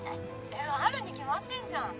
えっあるに決まってんじゃん！